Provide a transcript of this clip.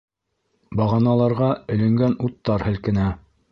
Бағаналарға эленгән уттар һелкенә.